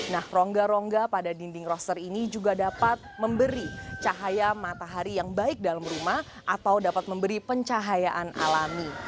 nah rongga rongga pada dinding roster ini juga dapat memberi cahaya matahari yang baik dalam rumah atau dapat memberi pencahayaan alami